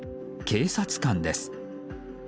警察官です。